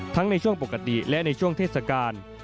ในช่วงปกติและในช่วงเทศกาล